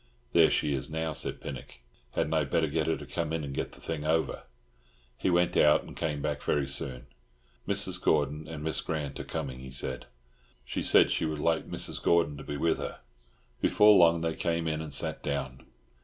"There she is now," said Pinnock. "Hadn't I better get her to come in and get the thing over?" He went out, and came back very soon. "Mrs. Gordon and Miss Grant are coming," he said. "She said she would like Mrs. Gordon to be with her." Before long they came in and sat down.